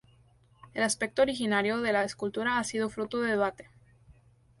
El aspecto originario de la escultura ha sido fruto de debate.